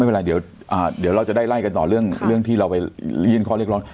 ไม่เป็นไรเดี๋ยวเราจะได้ไล่กันต่อเรื่องที่เราไปยื่นข้อเรียกร้อง